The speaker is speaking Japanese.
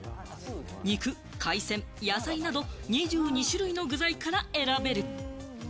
肉、海鮮、野菜など２２種類の具材から選べる。